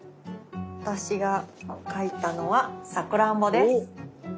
私が描いたのはサクランボです。